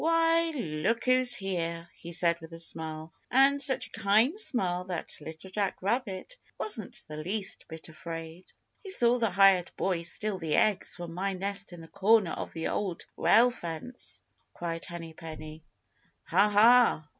"Why, look who's here," he said with a smile. And such a kind smile that Little Jack Rabbit wasn't the least bit afraid. "He saw the hired boy steal the eggs from my nest in the corner of the Old Rail Fence," cried Henny Penny. "Ha, ha!"